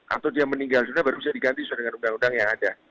atau dia meninggal juga baru bisa diganti sesuai dengan undang undang yang ada